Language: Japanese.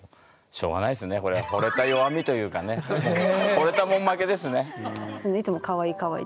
惚れたもん負けですね。